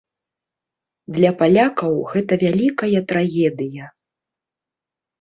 Для палякаў гэта вялікая трагедыя.